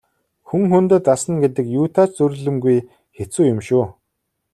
Хүн хүндээ дасна гэдэг юутай ч зүйрлэмгүй хэцүү юм шүү.